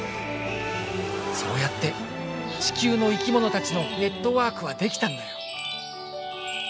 そうやって地球の生き物たちのネットワークは出来たんだよ。